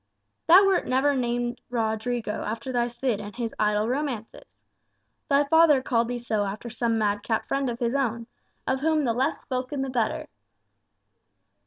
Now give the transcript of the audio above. "Thou wert never named Rodrigo after thy Cid and his idle romances. Thy father called thee so after some madcap friend of his own, of whom the less spoken the better."